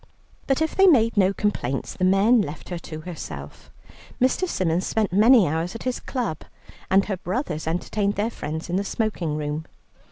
But if they made no complaints, the men left her to herself. Mr. Symons spent many hours at his club, and her brothers entertained their friends in the smoking room.